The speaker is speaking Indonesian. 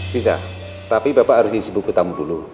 bisa tapi bapak harus isi buku tamu dulu